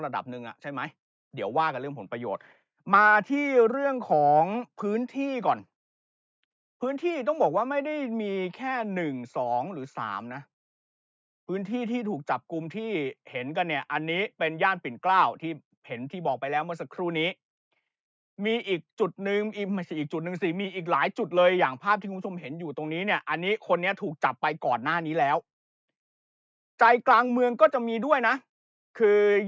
ระดับหนึ่งอ่ะใช่ไหมเดี๋ยวว่ากันเรื่องผลประโยชน์มาที่เรื่องของพื้นที่ก่อนพื้นที่ต้องบอกว่าไม่ได้มีแค่หนึ่งสองหรือสามน่ะพื้นที่ที่ถูกจับกลุ่มที่เห็นกันเนี้ยอันนี้เป็นย่านปิ่นกล้าวที่เห็นที่บอกไปแล้วเมื่อสักครู่นี้มีอีกจุดหนึ่งไม่ใช่อีกจุดหนึ่งสิมีอีกหลายจุดเลยอย่างภาพที่คุณผู้